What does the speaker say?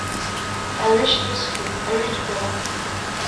Аҩы шьҭысхит, аҩы џьбара!